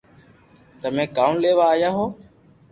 تمي ڪاؤ ليوا آيا ھون